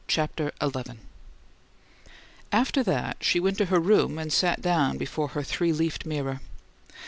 CHAPTER XI After that, she went to her room and sat down before her three leaved mirror.